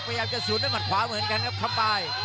ประยามจะสูดด้านหมัดขวาเหมือนกันครับคำปาย